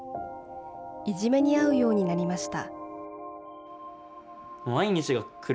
いじめに遭うようになりました。